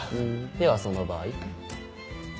ではその場合。